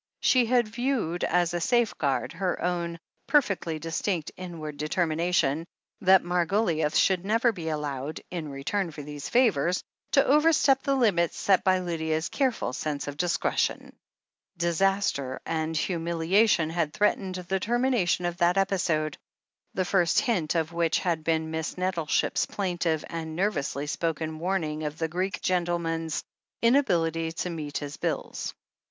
She had viewed as a safeguard her own perfectly dis tinct inward determination that Margoliouth should never be allowed, in return for these favours, to over step the limits set by Lydia's careful sense of discre tion. Disaster and humiliation had threatened the termina tion of that episode, the first hint of which had been Miss Nettleship's plaintive and nervously spoken warn ing of the Greek gentleman's inability to meet his bills.